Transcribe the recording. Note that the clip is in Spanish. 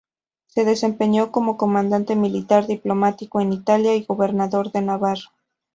Se desempeñó como comandante militar, diplomático en Italia y gobernador de Navarra.